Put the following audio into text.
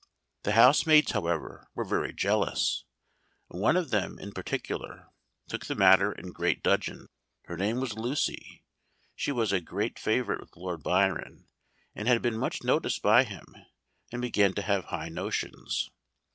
The housemaids, however, were very jealous; one of them, in particular, took the matter in great dudgeon. Her name was Lucy; she was a great favorite with Lord Byron, and had been much noticed by him, and began to have high notions.